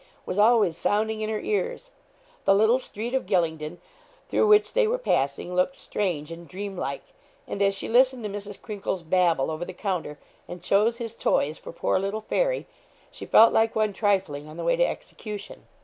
was always sounding in her ears. The little street of Gylingden, through which they were passing, looked strange and dream like. And as she listened to Mrs. Crinkle's babble over the counter, and chose his toys for poor little 'Fairy,' she felt like one trifling on the way to execution.